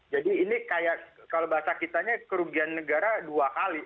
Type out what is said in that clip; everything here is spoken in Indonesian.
jadi ini kayak kalau bahasa kitanya kerugian negara dua kali